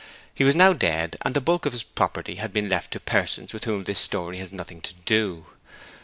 He was now dead, and the bulk of his property had been left to persons with whom this story has nothing to do.